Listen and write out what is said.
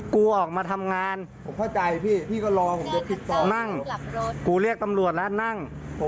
กูเรียกตำรวจแล้วนั่ง